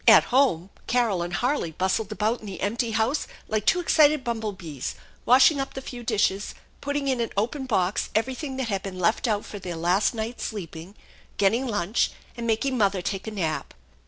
At home Carol and Harley bustled about in the empty house like two excited bumble bees, washing up the few dishes, putting in an open box everything that had been left out for their last night's sleeping, getting lunch, and making mother take a nap.